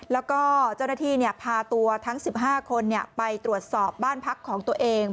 แล้วก็เจ้าหน้าที่พาตัวทั้ง๑๕คนไปตรวจสอบบ้านพักของตัวเอง